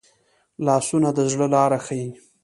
لاسونه د زړه لاره ښيي